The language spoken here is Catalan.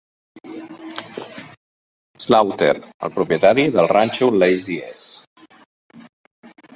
Slaughter, el propietari del ranxo Lazy S.